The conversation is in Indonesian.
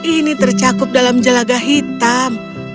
ini tercakup dalam jelaga hitam